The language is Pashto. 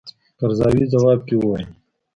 قرضاوي ځواب کې وویل.